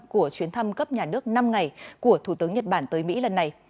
của chuyến thăm cấp nhà nước năm ngày của thủ tướng nhật bản tới mỹ lần này